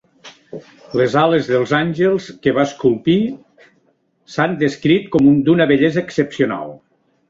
Les ales dels àngels que va esculpir s'han descrit com "d'una bellesa excepcional".